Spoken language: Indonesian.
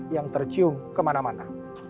yang tercium kemana mana